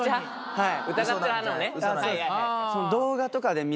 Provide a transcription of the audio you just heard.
はい。